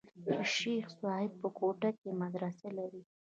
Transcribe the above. چې شيخ صاحب په کوټه کښې مدرسه لري.